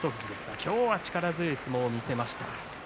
今日は力強い相撲を見せました。